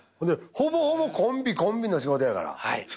でほぼほぼコンビコンビの仕事やから。